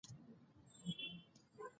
دوی به د خدای دوستان لیدلي وي.